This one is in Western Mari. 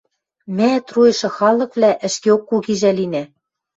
Мӓ, труйышы халыквлӓ, ӹшкеок кугижӓ линӓ...